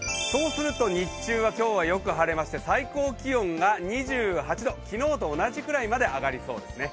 日中は今日はよく晴れまして最高気温が２８度、昨日と同じぐらいまで上がりそうですね。